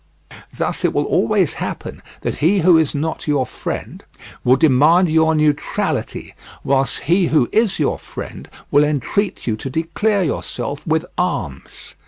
Thus it will always happen that he who is not your friend will demand your neutrality, whilst he who is your friend will entreat you to declare yourself with arms.